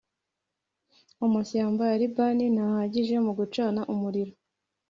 Amashyamba ya Libani ntahagije mu gucana umuriro,